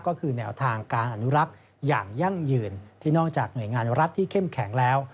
ก็คือแนวทางการอนุรักษ์อย่างยั่งยืนที่นอกจากหน่วยงานรัฐที่เข้มแข็งแล้ว